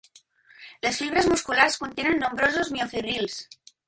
Les fibres musculars contenen nombrosos miofibrils.